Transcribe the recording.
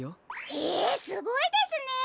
へえすごいですね！